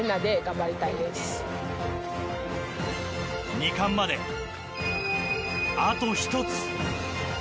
２冠まで、あと１つ。